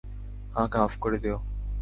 আমাকে মাফ করে দিও।